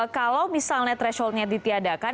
kalau misalnya threshold nya ditiadakan